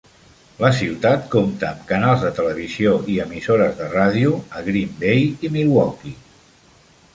La ciutat compta amb canals de televisió i emissores de ràdio a Green Bay i Milwaukee.